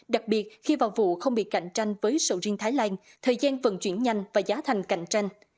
đặc biệt khi vào vụ không bị cạnh tranh với sầu riêng thái lan thời gian vận chuyển nhanh và giá thành cạnh tranh